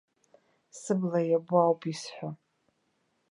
Сыбла иабо ауп исҳәо.